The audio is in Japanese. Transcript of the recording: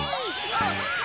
あっ。